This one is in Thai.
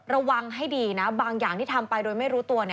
ระวังให้ดีนะบางอย่างที่ทำไปโดยไม่รู้ตัว